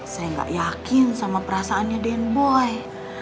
saya gak yakin sama perasaannya den boy